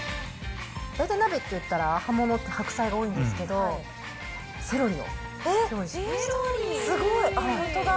大体鍋っていったら葉物、白菜が多いんですけど、セロリを用すごい、本当だ。